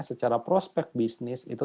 secara prospek bisnis itu